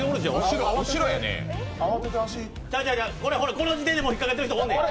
この時点で引っかかってる人おんねん。